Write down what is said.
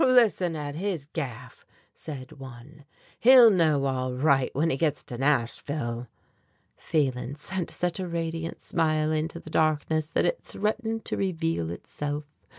"Listen at his gaff!" said one. "He'll know all right when he gets to Nashville." Phelan sent such a radiant smile into the darkness that it threatened to reveal itself.